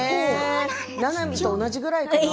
ななみと同じぐらいかな？